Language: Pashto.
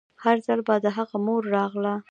هر ځل به د هغه مور راغله.